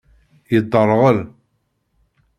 Yedderɣel.